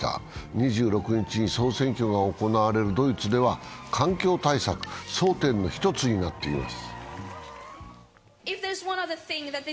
２６日に総選挙が行われるドイツでは環境対策が争点の一つになっています。